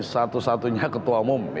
satu satunya ketua umum